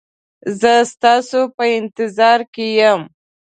زه ستاسو په انتظار کې یم